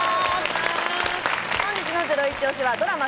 本日のゼロイチ推しはドラマ